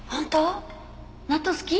納豆好き？